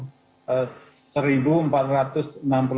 itu sebesar satu lima ratus mw